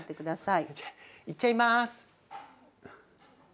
いっちゃいます。